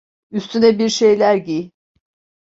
Üstüne bir şeyler giy.